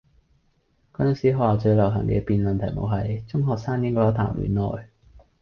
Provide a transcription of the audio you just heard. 嗰陣時學校最流行嘅辯論題目係：中學生應否談戀愛?